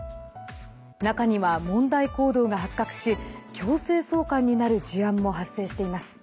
中には、問題行動が発覚し強制送還になる事案も発生しています。